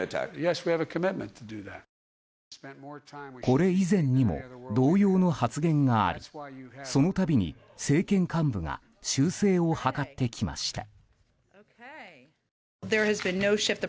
これ以前にも同様の発言がありその度に政権幹部が修正を図ってきました。